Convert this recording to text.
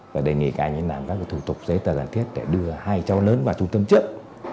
và đề nghị các anh ấy làm các thủ tục giấy tờ giản thiết để đưa hai cháu lớn vào trung tâm trước